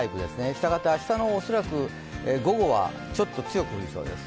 したがって明日の午後はちょっと強く降りそうです。